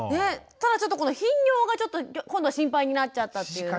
ただちょっとこの頻尿が今度は心配になっちゃったというね。